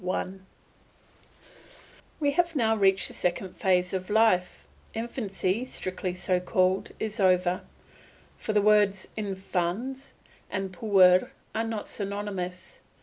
BOOK II We have now reached the second phase of life; infancy, strictly so called, is over; for the words infans and puer are not synonymous.